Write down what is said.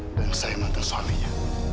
dan saya mantan suaminya